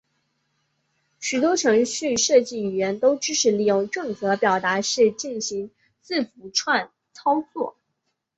许多程序设计语言都支持利用正则表达式进行字符串操作。